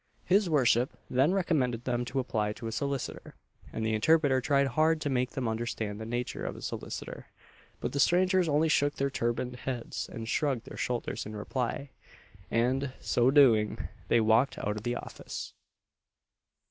His worship then recommended them to apply to a solicitor; and the interpreter tried hard to make them understand the nature of a solicitor, but the strangers only shook their turban'd heads and shrugged their shoulders in reply; and, so doing, they walked out of the office.